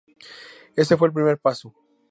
Ese fue el primer paso.